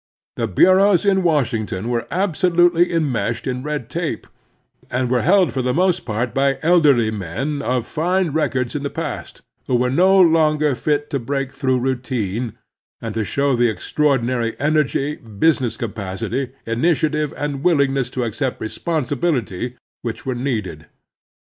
The bureaus in Washington were absolutely en meshed in red tape, and were held for the most part by elderly men, of fine records in the past, who were no longer fit to break through routine and to show the extraordinary energy, business capacity, initiative, and willingness to accept responsibility which were needed.